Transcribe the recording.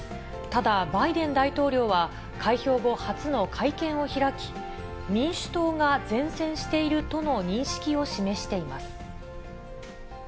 ただ、バイデン大統領は、開票後、初の会見を開き、民主党が善戦しているとの認識を示しています。